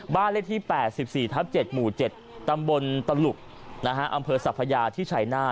บ้านเลขที่๘๔ทับ๗หมู่๗ตำบลตะหลุกอำเภอสัพพยาที่ชัยนาธ